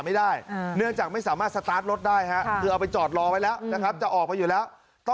อีกนิดเดียว